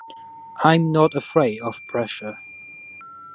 I'm not afraid of pressure.